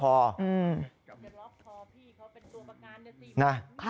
เป็นล็อกคอพี่เขาเป็นตัวประการในสี่วัน